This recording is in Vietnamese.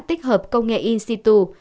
tích hợp công nghệ in situ